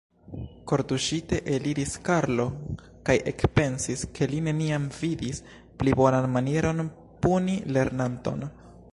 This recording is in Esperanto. Kortuŝite eliris Karlo kaj ekpensis, ke li neniam vidis pli bonan manieron puni lernanton.